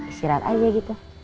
istirahat aja gitu